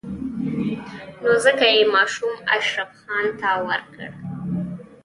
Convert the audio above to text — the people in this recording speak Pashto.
نو ځکه يې ماشوم اشرف خان ته ورکړ.